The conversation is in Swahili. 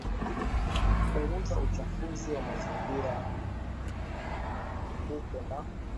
kupunguza uchafuzi wa mazingiraKutambua na